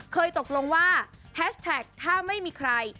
เคยตกลงว่าแฮชแท็กถ้าไม่มีใคร